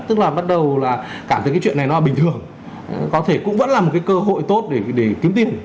tức là bắt đầu là cảm thấy cái chuyện này nó bình thường có thể cũng vẫn là một cái cơ hội tốt để kiếm tin